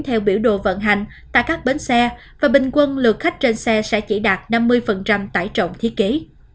theo biểu đồ vận hành tại các bến xe và bình quân lượt khách trên xe sẽ chỉ đạt năm mươi tải trọng thiết kế